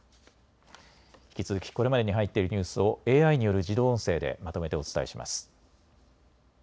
引き続きこれまでに入っているニュースをＡＩによる自動音声でまとめてお伝えします。